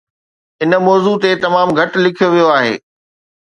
ان موضوع تي تمام گهٽ لکيو ويو آهي